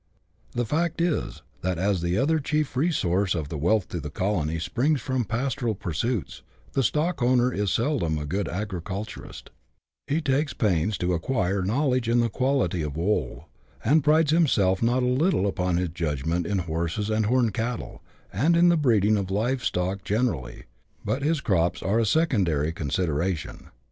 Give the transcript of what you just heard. The fact is, that as the chief source of wealth to the colony springs from pastoral pursuits, the stockowner is seldom a good agriculturist ; he takes pains to acquire knowledge in the quality of wool, and prides himself not a little upon his judgment in horses and horned cattle, and in the breeding of live stock gene rally, but his crops are a secondary consideration.